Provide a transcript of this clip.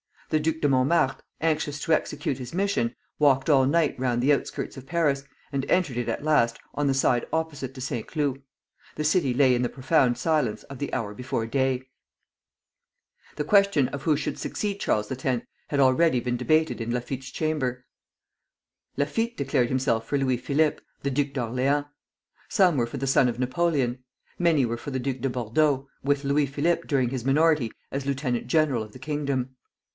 The Duc de Montemart, anxious to execute his mission, walked all night round the outskirts of Paris, and entered it at last on the side opposite to Saint Cloud. The city lay in the profound silence of the hour before day. [Footnote 1: Louis Blanc, Dix Ans. Histoire de trente heures, 1830.] The question of who should succeed Charles X. had already been debated in Laffitte's chamber. Laffitte declared himself for Louis Philippe, the Duke of Orleans. Some were for the son of Napoleon. Many were for the Duc de Bordeaux, with Louis Philippe during his minority as lieutenant general of the kingdom.